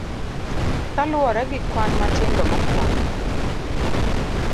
Kaluwore gi kwan matindo mokwongo.